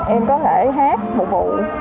em có thể hát phục vụ